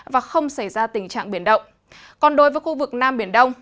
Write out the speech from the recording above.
và không xảy ra tình trạng biển động còn đối với khu vực nam biển đông